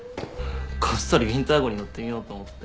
こっそりウィンター号に乗ってみようと思って。